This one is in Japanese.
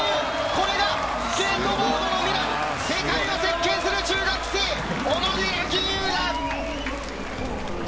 これがスケートボードの未来、世界を席巻する中学生、小野寺吟雲だ！